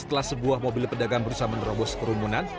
setelah sebuah mobil pedagang berusaha menerobos kerumunan